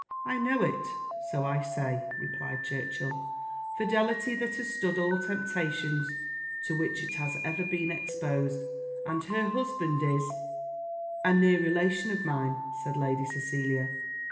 "I know it: so I say," replied Churchill: "fidelity that has stood all temptations to which it has ever been exposed; and her husband is " "A near relation of mine," said Lady Cecilia.